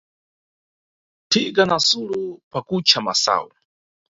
Thika na Sulo pakucha masayu.